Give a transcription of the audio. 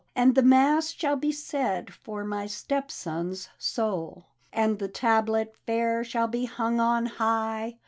And the mass shall be said for my step son's soul, And the tablet fair shall be hung on high.